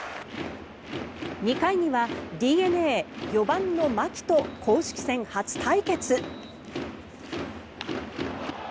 ２回にはＤｅＮＡ４番の牧と公式戦初対決。